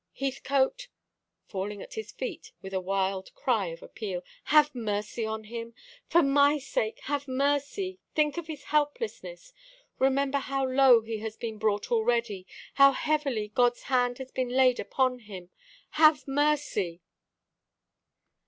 Heathcote," falling at his feet with a wild cry of appeal, "have mercy on him; for my sake, have mercy. Think of his helplessness. Remember how low he has been brought already how heavily God's hand has been laid upon him. Have mercy."